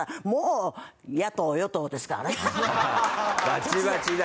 バチバチだ。